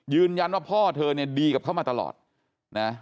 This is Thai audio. ยืนยันว่าพ่อเธอเนี่ยดีกับเขามาตลอดนะ